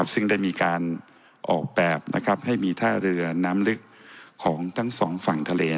ซึ่งได้มีการออกแบบให้มีท่าเรือน้ำลึกของทั้งสองฝั่งทะเล